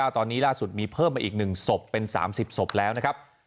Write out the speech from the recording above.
ตอนนี้ล่าสุดมีเพิ่มมาอีก๑ศพเป็น๓๐ศพแล้วนะครับ